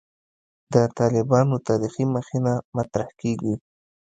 د «طالبانو تاریخي مخینه» مطرح کېږي.